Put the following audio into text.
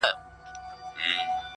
دېو که شیطان یې خو ښکرور یې!